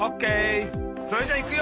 それじゃいくよ！